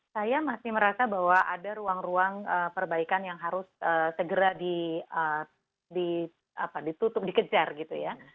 saya masih merasa bahwa ada ruang ruang perbaikan yang harus segera ditutup dikejar gitu ya